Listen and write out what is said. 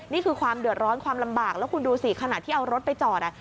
นี่คือความเดือดร้อนความลำบากแล้วคุณดูสิขณะที่เอารถไปจอด